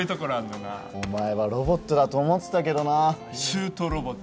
なお前はロボットだと思ってたけどな柊人ロボット